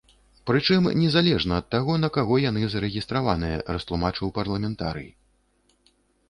Прычым незалежна ад таго, на каго яны зарэгістраваныя, растлумачыў парламентарый.